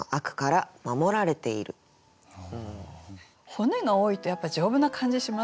骨が多いとやっぱり丈夫な感じしませんか？